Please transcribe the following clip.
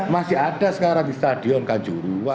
masih ada sekarang di stadion kanjuruhan